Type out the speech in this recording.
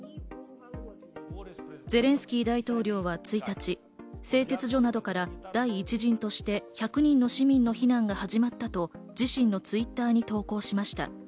ゼレンスキー大統領は１日、製鉄所などから、第１陣として１００人の市民の避難が始まったと自身のＴｗｉｔｔｅｒに投稿しました。